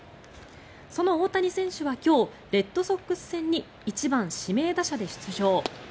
その大谷選手は今日レッドソックス戦に１番指名打者で出場。